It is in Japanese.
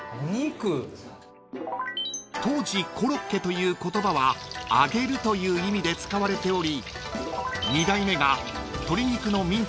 ［当時コロッケという言葉は揚げるという意味で使われており２代目が］